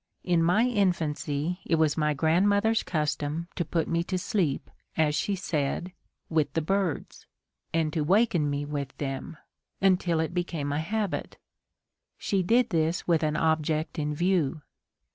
In my infancy it was my grandmother's custom to put me to sleep, as she said, with the birds, and to waken me with them, until it became a habit. She did this with an object in view.